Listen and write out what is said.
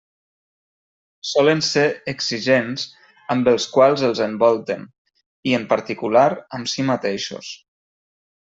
Solen ser exigents amb els quals els envolten i, en particular, amb si mateixos.